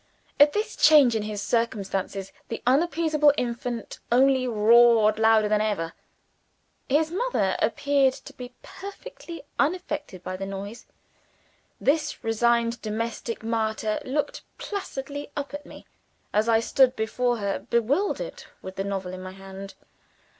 At this change in his circumstances, the unappeasable infant only roared louder than ever. His mother appeared to be perfectly unaffected by the noise. This resigned domestic martyr looked placidly up at me, as I stood before her, bewildered, with the novel in my hand.